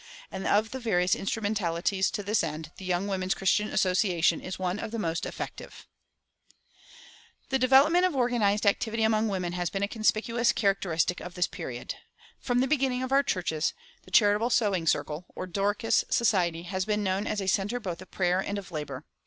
And of the various instrumentalities to this end, the Young Women's Christian Association is one of the most effective. The development of organized activity among women has been a conspicuous characteristic of this period. From the beginning of our churches the charitable sewing circle or "Dorcas Society" has been known as a center both of prayer and of labor.